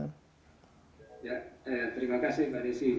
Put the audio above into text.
ya terima kasih mbak desi